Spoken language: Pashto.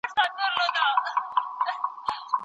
په ځانګړې توګه د خېټې شاوخوا وزن زیاتېږي.